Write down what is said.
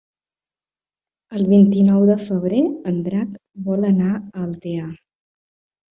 El vint-i-nou de febrer en Drac vol anar a Altea.